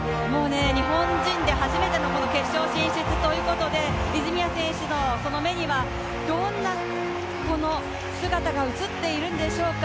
日本人で初めての決勝進出ということで、泉谷選手のその目にはどんな姿が映っているんでしょうか。